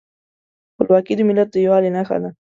خپلواکي د ملت د یووالي نښه ده.